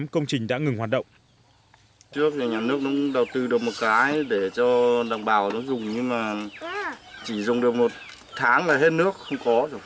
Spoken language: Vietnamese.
công trình đã ngừng hoạt động